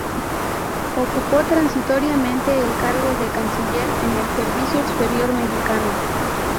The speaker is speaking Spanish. Ocupó transitoriamente el cargo de canciller en el servicio exterior mexicano.